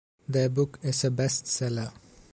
Their book is a best seller.